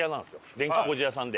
電気工事屋さんで。